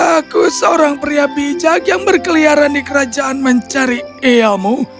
aku seorang pria bijak yang berkeliaran di kerajaan mencari eamu